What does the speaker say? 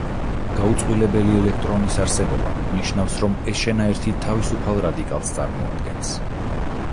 გაუწყვილებელი ელექტრონის არსებობა ნიშნავს, რომ ეს შენაერთი თავისუფალ რადიკალს წარმოადგენს.